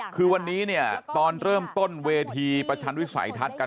คือวันนี้เนี่ยตอนเริ่มต้นเวทีประชันวิสัยทัศน์กัน